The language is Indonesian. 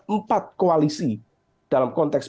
empat koalisi dalam konteks